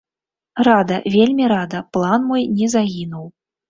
Рада, вельмі рада, план мой не загінуў.